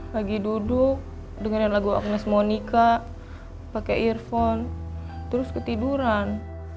lagi duduk dengerin lagu agnes monica pakai earphone terus ketiduran